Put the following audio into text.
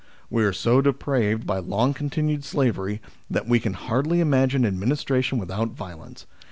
We are so depraved by long continued slavery, that we can hardly imagine administration without viol ence.